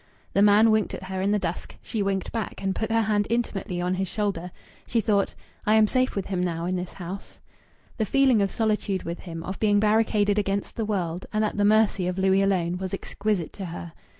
The man winked at her in the dusk; she winked back, and put her hand intimately on his shoulder. She thought, "I am safe with him now in the house." The feeling of solitude with him, of being barricaded against the world and at the mercy of Louis alone, was exquisite to her.